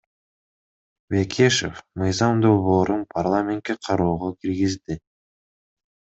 Бекешев мыйзам долбоорун парламентке кароого киргизди.